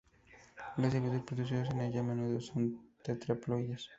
Los híbridos producidos con ella a menudo son tetraploides.